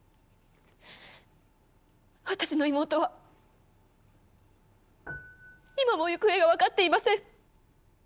私の妹は今も行方が分かっていません。